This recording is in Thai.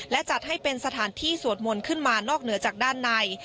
และจัดให้เป็นสถานที่สวดมนต์ขึ้นมานอกเหนือจากด้านใน